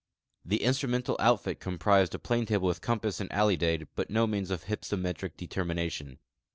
The instrumental outfit comprised a planetable with compass and alidade, but no means of h3"psometric determination.